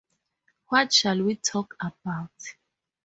What shall we talk about?